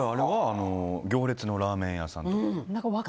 行列のラーメン屋さんとかは？